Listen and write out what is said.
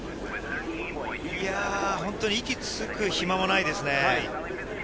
本当に息つく暇もないですね。